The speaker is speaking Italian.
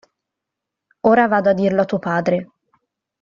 Ora vado a dirlo a tuo padre!